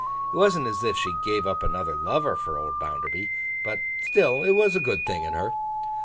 It wasn't as if she gave up another lover for old Bounderby; but still it was a good thing in her.